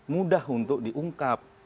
mudah untuk diungkap